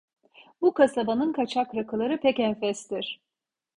Bu kasabanın kaçak rakıları pek enfestir…